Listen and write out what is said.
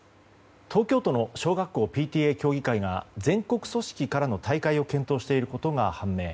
東京都の小学校ＰＴＡ協議会が全国組織からの退会を検討していることが判明。